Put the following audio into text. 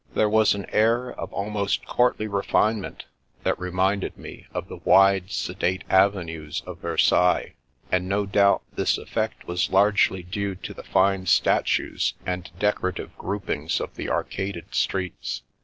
There was an air of al most courtly refinement that reminded me of the wide, sedate avenues of Versailles; and no doubt this effect was largely due to the fine statues and decorative grouping of the arcaded streets.